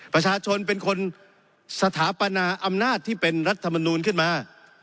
ประชาชนเป็นคนสถาปนาอำนาจที่เป็นรัฐมนูลขึ้นมา